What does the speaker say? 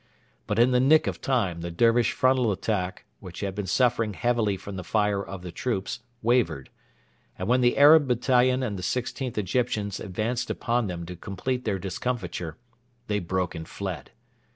But in the nick of time the Dervish frontal attack, which had been suffering heavily from the fire of the troops, wavered; and when the Arab battalion and the 16th Egyptians advanced upon them to complete their discomfiture, they broke and fled.